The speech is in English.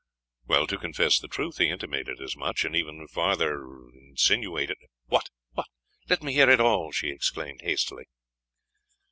"To confess the truth, he intimated as much, and even farther insinuated" "What? Let me hear it all!" she exclaimed, hastily.